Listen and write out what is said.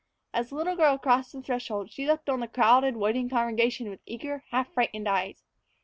As the little girl crossed the threshold, she looked on the crowded, waiting congregation with eager, half frightened eyes.